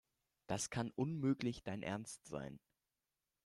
Das kann unmöglich dein Ernst sein.